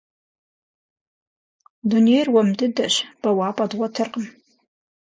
Дунейр уэм дыдэщ, бэуапӏэ дгъуэтыркъым.